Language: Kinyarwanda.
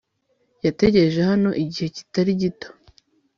yategereje hano igihe kitari gito